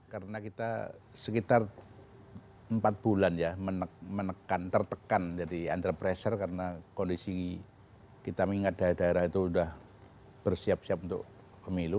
karena kita sekitar empat bulan ya menekan tertekan dari antrepreser karena kondisi kita mengingat daerah daerah itu sudah bersiap siap untuk pemilu